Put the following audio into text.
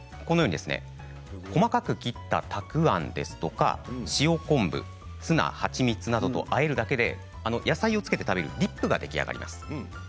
細かく切ったたくあんや塩昆布ツナ、蜂蜜などとあえるだけで野菜をつけて食べるディップが出来上がります。